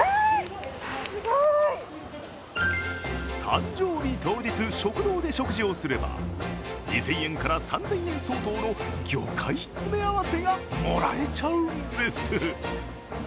誕生日当日食堂で食事をすれば、２０００３０００円相当の魚介詰め合わせがもらえちゃうんです。